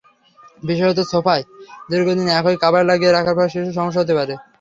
বিশেষত সোফায় দীর্ঘদিন একই কাভার লাগিয়ে রাখার ফলে শিশুর সমস্যা হতে পারে।